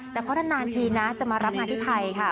แต่เพราะนานทีนะจะมารับงานที่ไทยค่ะ